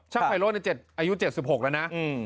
ช่างไพโรตเนี่ยเจ็ดอายุเจ็ดสิบหกแล้วนะอืม